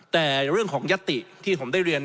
แต่เรื่องของยัตติที่ผมได้เรียน